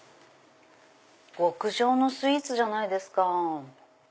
極上のスイーツじゃないですか。